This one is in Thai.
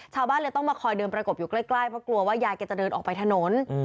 ชาวบ้านเลยต้องมาคอยเดินประกบอยู่ใกล้เพราะกลัวว่ายายแกจะเดินออกไปถนน